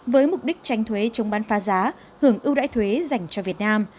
với mục đích tránh thuế trong bán pha giá hưởng ưu đãi thuế dành cho việt nam